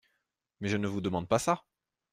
Mais je ne vous demande pas ça !